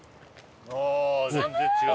ああ全然違う。